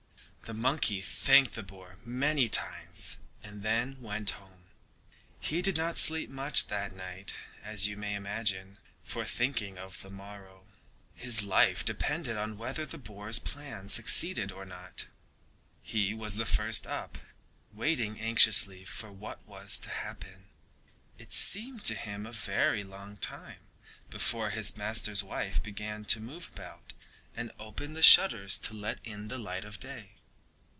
The monkey thanked the boar many times and then went home. He did not sleep much that night, as you may imagine, for thinking of the morrow. His life depended on whether the boar's plan succeeded or not. He was the first up, waiting anxiously for what was to happen. It seemed to him a very long time before his master's wife began to move about and open the shutters to let in the light of day.